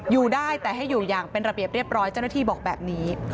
อยู่ได้แต่ให้อยู่อย่างเป็นระเบียบเรียบร้อยเจ้าหน้าที่บอกแบบนี้